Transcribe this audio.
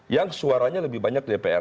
yang suaranya lebih banyak dpr